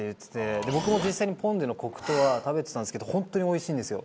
僕も実際にポン・デの黒糖は食べてたんですけどホントに美味しいんですよ。